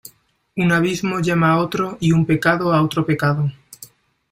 Un abismo llama a otro y un pecado a otro pecado.